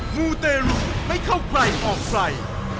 มูเตรุไม่เข้าใครออกใคร